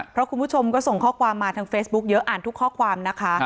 เพราะคุณผู้ชมก็ส่งข้อความมาทางเฟซบุ๊คเยอะอ่านทุกข้อความนะคะ